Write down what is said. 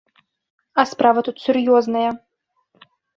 А справа тут сур'ёзная.